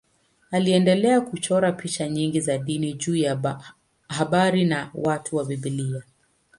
Aliendelea kuchora picha nyingi za dini juu ya habari na watu wa Biblia.